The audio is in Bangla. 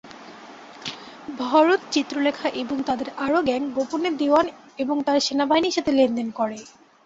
ভরত, চিত্রলেখা এবং তাদের আরও গ্যাং গোপনে দিওয়ান এবং তার সেনাবাহিনীর সাথে লেনদেন করে।